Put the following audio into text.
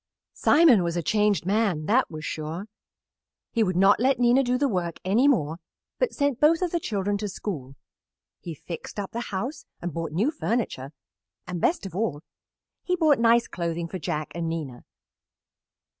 Simon was a changed man, that was sure. He would not let Nina do the work any more, but sent both of the children to school. He fixed up the house and bought new furniture, and, best of all, he bought nice clothing for Jack and Nina.